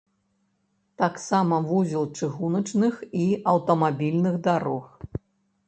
Таксама вузел чыгуначных і аўтамабільных дарог.